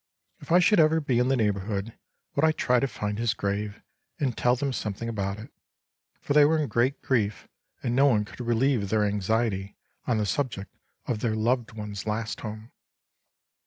If I should ever be in the neighbourhood, would I try to find his grave, and tell them something about it; for they were in great grief, and no one could relieve their anxiety on the subject of their loved one's last home.